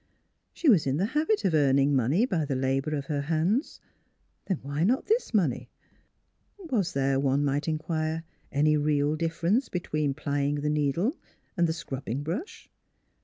She was in the habit of earning money by the labor of her hands; then why not this money? Was there, one might inquire, any real difference between plying the needle and the scrubbing brush?